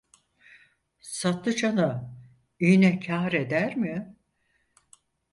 Satlıcana iğne kar eder mi?